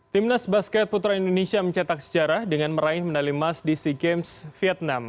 timnas basket putra indonesia mencetak sejarah dengan meraih medali mas dc games vietnam